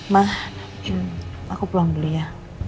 ma aku pulang dulu ya